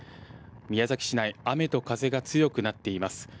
宮崎市内、雨と風が強くなっています。